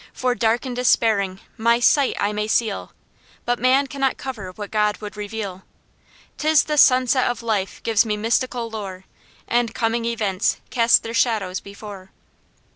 For, dark and despairing, my sight, I may seal, But man cannot cover what God would reveal; 'Tis the sunset of life gives me mystical lore, And coming events cast their shadows before."